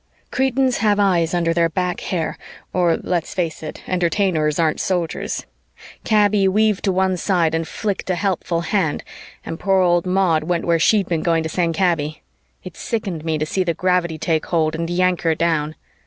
Cretans have eyes under their back hair, or let's face it, Entertainers aren't Soldiers. Kaby weaved to one side and flicked a helpful hand and poor old Maud went where she'd been going to send Kaby. It sickened me to see the gravity take hold and yank her down.